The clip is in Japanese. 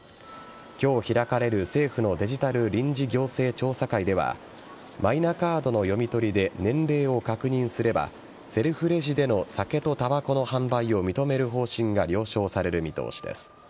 今日開かれる、政府のデジタル臨時強制調査会ではマイナカードの読み取りで年齢を確認すればセルフレジでの酒とたばこの販売を認める方針が了承される見通しです。